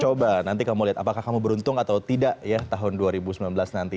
coba nanti kamu lihat apakah kamu beruntung atau tidak ya tahun dua ribu sembilan belas nanti